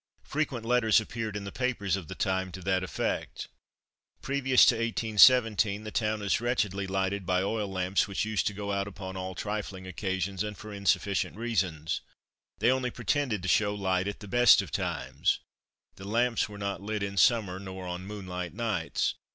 Frequent letters appeared in the papers of the time to that effect. Previous to 1817 the town was wretchedly lighted by oil lamps which used to go out upon all trifling occasions and for insufficient reasons. They only pretended to show light at the best of times. The lamps were not lit in summer nor on moonlight nights.